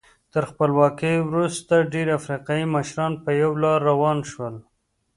تر خپلواکۍ وروسته ډېری افریقایي مشران په یوه لار روان شول.